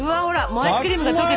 アイスクリームが溶けてる。